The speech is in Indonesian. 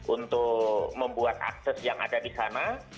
untuk membuat akses yang ada di sana